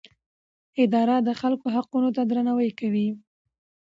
اداره د خلکو حقونه درناوی کوي.